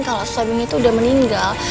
kalau suaminya itu udah meninggal